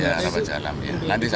yang tempat mahasiswa tadi kan